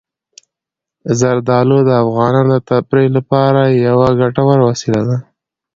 زردالو د افغانانو د تفریح لپاره یوه ګټوره وسیله ده.